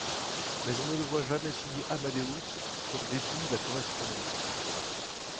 Mais on ne le voit jamais signer Amadeus si on dépouille la correspondance.